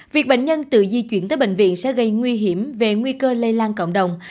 việc bệnh nhân tự di chuyển tới bệnh viện sẽ gây nguy hiểm về nguy cơ lây lan cộng đồng